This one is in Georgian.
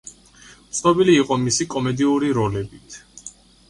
ცნობილი იყო მისი კომედიური როლებით.